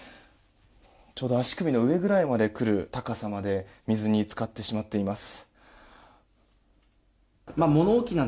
ちょうど足首の上ぐらいまでくる高さまで水に浸かってしまっています。